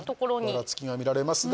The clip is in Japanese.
ばらつきが見られますが。